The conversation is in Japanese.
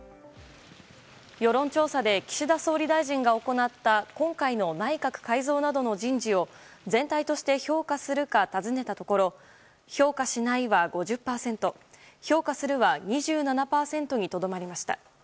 世論調査で岸田総理大臣が行った今回の内閣改造などの人事を全体として評価するか尋ねたところ評価しないは５０％評価するは２７％にとどまりました。